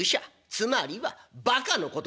つまりはバカのことだ」。